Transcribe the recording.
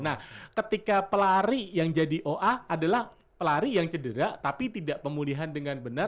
nah ketika pelari yang jadi oa adalah pelari yang cedera tapi tidak pemulihan dengan benar